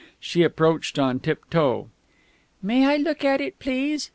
She approached on tiptoe. "May I look at it, please?"